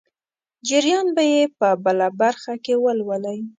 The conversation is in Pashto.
جریان به یې په بله برخه کې ولولئ.